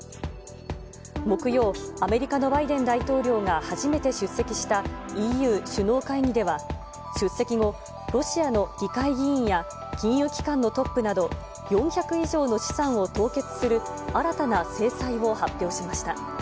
木曜、アメリカのバイデン大統領が初めて出席したＥＵ首脳会議では、出席後、ロシアの議会議員や金融機関のトップなど、４００以上の資産を凍結する新たな制裁を発表しました。